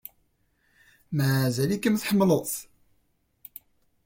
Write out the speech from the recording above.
Mazal-ikem tḥemmleḍ-t?